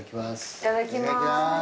いただきます。